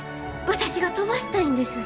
私が飛ばしたいんです。